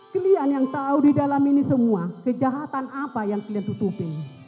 kalian yang tahu di dalam ini semua kejahatan apa yang kalian tutupi